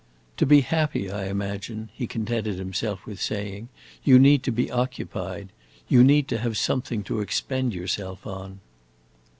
"To be happy, I imagine," he contented himself with saying, "you need to be occupied. You need to have something to expend yourself upon."